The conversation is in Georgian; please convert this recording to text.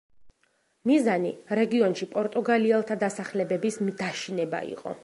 მიზანი რეგიონში პორტუგალიელთა დასახლებების დაშინება იყო.